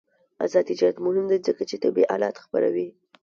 آزاد تجارت مهم دی ځکه چې طبي آلات خپروي.